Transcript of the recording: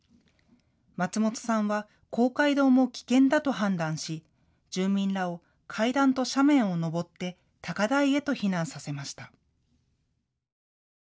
松本さんは公会堂も危険だと判断し住民らを階段と斜面を登って高台へと避難させました。